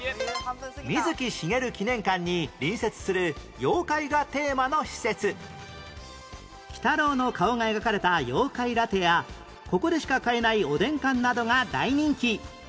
水木しげる記念館に隣接する鬼太郎の顔が描かれた妖怪ラテやここでしか買えないおでん缶などが大人気